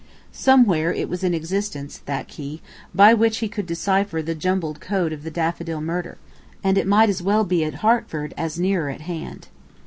Somewhere it was in existence, that key, by which he could decipher the jumbled code of the Daffodil Murder, and it might as well be at Hertford as nearer at hand.